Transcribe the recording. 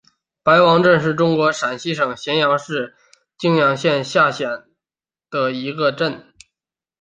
白王镇是中国陕西省咸阳市泾阳县下辖的一个镇。